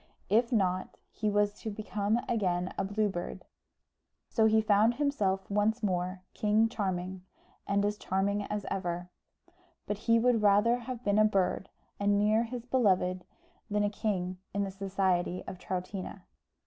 If not, he was to become again a Blue Bird. So he found himself once more King Charming, and as charming as ever; but he would rather have been a bird and near his beloved, than a king in the society of Troutina.